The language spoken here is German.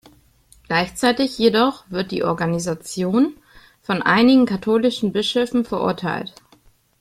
Gleichzeitig jedoch wird die Organisation von einigen katholischen Bischöfen verurteilt.